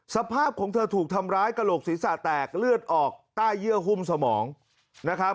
สภาพของเธอถูกทำร้ายกระโหลกศีรษะแตกเลือดออกใต้เยื่อหุ้มสมองนะครับ